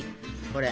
これ。